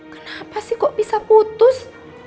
kenapa sih kok bisa putus